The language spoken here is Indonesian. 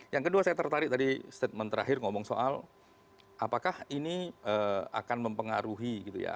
yang kedua saya tertarik tadi statement terakhir ngomong soal apakah ini akan mempengaruhi gitu ya